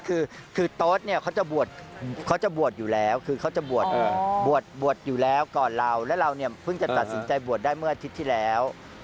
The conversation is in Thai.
ก็คือโต๊ดเนี่ยเขาจะบวชอยู่แล้วก่อนเราแล้วเราเนี่ยพึ่งจะตัดสินใจบวชได้เมื่ออาทิตย์ที่แล้ว